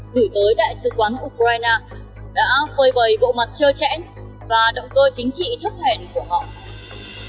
gửi tới đại sứ quán ukraine đã phơi bầy bộ mặt trơ chẽn và động cơ chính trị thấp hèn của họ